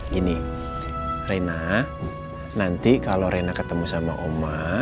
gini reina nanti kalau reina ketemu sama oma